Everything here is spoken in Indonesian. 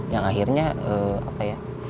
yang akhirnya apa ya